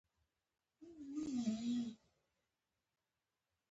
لویې ټولنې یواځې د ګډ باور له لارې دوام کولی شي.